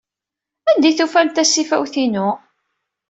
Anda ay tufamt tasiwant-inu?